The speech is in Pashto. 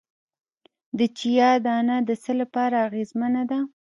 د چیا دانه د څه لپاره اغیزمنه ده؟